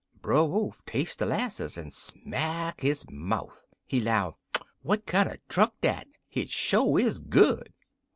"Brer Wolf tas'e de 'lasses, en smack his mouf. He 'low, 'What kinder truck dat? Hit sho is good.'